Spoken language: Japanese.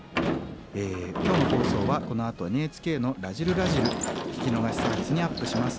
今日の放送はこのあとＮＨＫの「らじる★らじる」聴き逃しサービスにアップします。